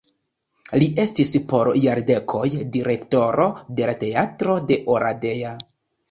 Li estis por jardekoj direktoro de la teatro de Oradea.